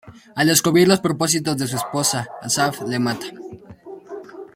Al descubrir los propósitos de su esposa, Asaf le mata.